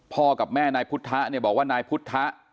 กับแม่นายพุทธะเนี่ยบอกว่านายพุทธะ